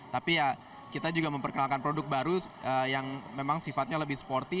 tapi ya kita juga memperkenalkan produk baru yang memang sifatnya lebih sporty